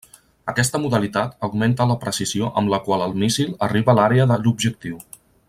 Aquesta modalitat augmenta la precisió amb la qual el míssil arriba l'àrea de l'objectiu.